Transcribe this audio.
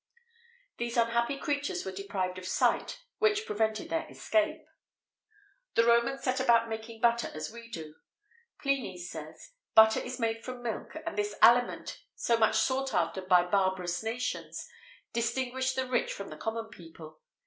These unhappy creatures were deprived of sight, which prevented their escape.[XVIII 33] The Romans set about making butter as we do. Pliny says: "Butter is made from milk, and this aliment, so much sought after by barbarous nations, distinguished the rich from the common people.